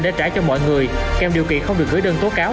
để trả cho mọi người kèm điều kiện không được gửi đơn tố cáo